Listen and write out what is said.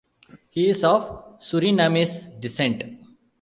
He is of Surinamese descent.